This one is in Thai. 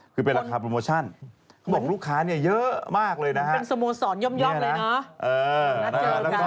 คือเป็นราคาโปรโมชั่นเขาบอกลูกค้าเนี่ยเยอะมากเลยนะฮะเป็นสโมสรย่อมเลยเนอะ